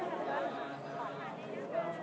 เมื่อเวลาอันดับสุดท้ายเมื่อเวลาอันดับสุดท้าย